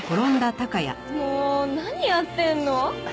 もう何やってるの？